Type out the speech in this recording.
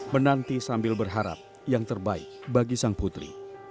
menanti sambil berharap yang terbaik bagi sang putri